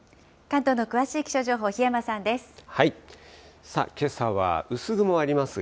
関東の詳しい気象情報、檜山さんです。